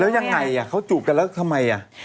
แล้วยังไงเขาจูบกันแล้วทำไมอ่ะ